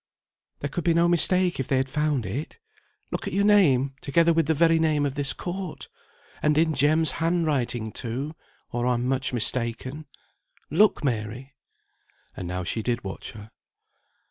"There could be no mistake if they had found it. Look at your name, together with the very name of this court! And in Jem's hand writing too, or I'm much mistaken. Look, Mary!" And now she did watch her.